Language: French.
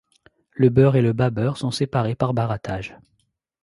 Le beurre et le babeurre sont séparés par barattage.